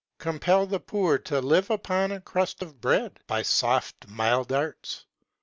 'Compel the poor to live upon a crust of bread, by soft mild arts.